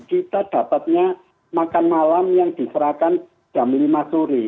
kita dapatnya makan malam yang diserahkan jam lima sore